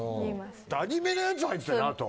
アニメのやつ入ってたあと。